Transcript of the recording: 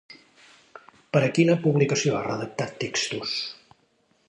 Per a quina publicació ha redactat textos?